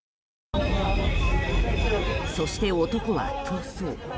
そして、男は逃走。